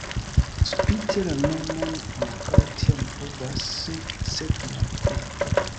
Spite la nomon ankaŭ tiam pluvas, sed malpli.